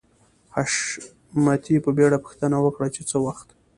حشمتي په بېړه پوښتنه وکړه چې څه وخت